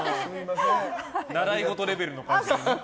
習い事レベルの番組。